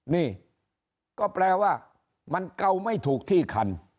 นี่ก็แปลว่ามันเกาไม่ถูกที่คัน